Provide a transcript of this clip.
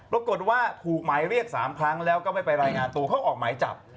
ปรากฏว่าถูกหมายเรียก๓ครั้งแล้วก็ไม่ไปรายงานตัวเขาออกหมายจับ